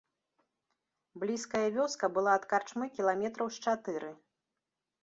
Блізкая вёска была ад карчмы кіламетраў з чатыры.